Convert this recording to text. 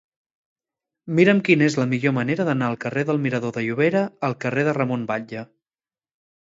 Mira'm quina és la millor manera d'anar al carrer del Mirador de Llobera al carrer de Ramon Batlle.